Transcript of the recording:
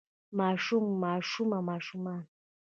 ماشوم ماشومه ماشومان